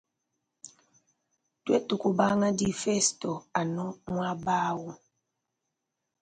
Twetu kubanga difesto anu mwaba awu.